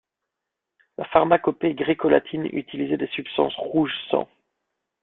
La pharmacopée gréco-latine utilisait des substances rouge sang.